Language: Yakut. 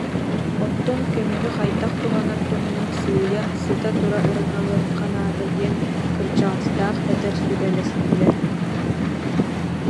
Оттон көмүһү хайдах туһанар туһунан сыыйа, сыта-тура ырыҥалыахха наада диэн кырдьаҕастаах эдэр сүбэлэстилэр